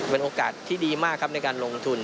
เป็นโอกาสที่ดีมากครับในการลงทุน